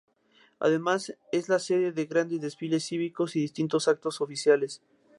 Además, es la sede de grandes desfiles cívicos y distintos actos oficiales.